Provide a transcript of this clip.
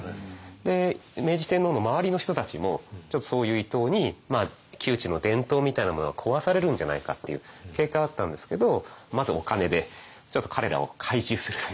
で明治天皇の周りの人たちもちょっとそういう伊藤に宮中の伝統みたいなものが壊されるんじゃないかっていう警戒はあったんですけどまずお金でちょっと彼らを懐柔するというか。